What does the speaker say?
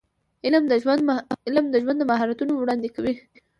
علم د ژوند مهارتونه وړاندې کوي.